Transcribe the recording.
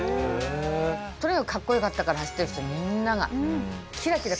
とにかくかっこよかったから走ってる人みんなが。